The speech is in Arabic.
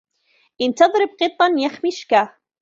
إِنْ تَضْرِبْ قِطًّا يَخْمِشْكَ.